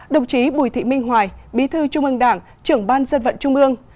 đồng chí bùi thị minh hoài bí thư trung ương đảng trưởng ban dân vận trung ương